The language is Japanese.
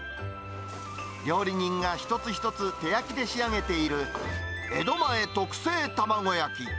料理人が一つ一つ手焼きで仕上げている江戸前特製卵焼き。